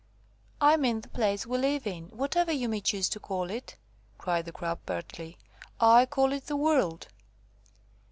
"I mean the place we live in, whatever you may choose to call it," cried the Grub pertly. "I call it the world."